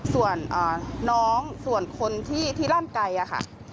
ส่วนน้องส่วนคนที่รั่นไกลค่ะ